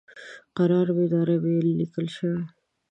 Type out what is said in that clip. قرار میدارم یې لیکلی شوای.